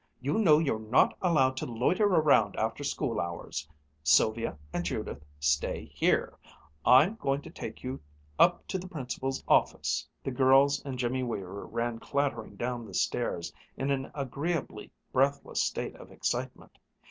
"You know you're not allowed to loiter around after school hours. Sylvia and Judith, stay here. I'm going to take you up to the Principal's office." The girls and Jimmy Weaver ran clattering down the stairs, in an agreeably breathless state of excitement.